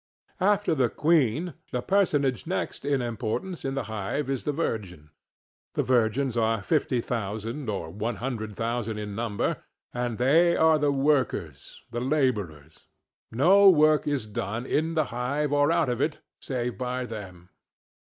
After the queen, the personage next in importance in the hive is the virgin. The virgins are fifty thousand or one hundred thousand in number, and they are the workers, the laborers. No work is done, in the hive or out of it, save by them.